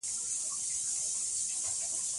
دریابونه د افغانستان د هیوادوالو لپاره ویاړ دی.